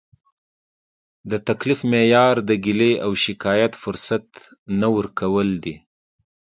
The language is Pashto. د تکلیف معیار د ګیلې او شکایت فرصت نه ورکول دي.